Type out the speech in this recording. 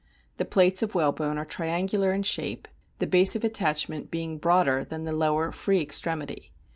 The plates of whalebone are triangular in shape, the base of attachment being broader than the lower, free extremity.